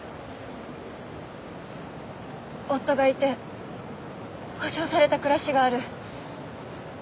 夫がいて保証された暮らしがある。